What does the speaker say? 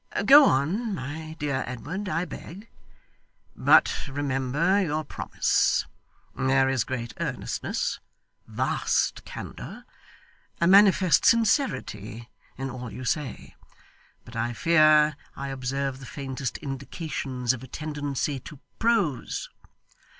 Go on, my dear Edward, I beg. But remember your promise. There is great earnestness, vast candour, a manifest sincerity in all you say, but I fear I observe the faintest indications of a tendency to prose.